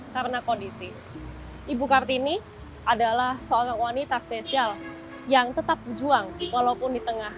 karena kondisi ibu kartini adalah seorang wanita spesial yang tetap berjuang walaupun di tengah